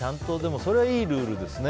それはいいルールですね。